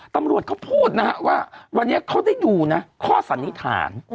ตำรวจเขาพูดนะฮะว่าวันนี้เขาได้ดูนะข้อสันนิษฐาน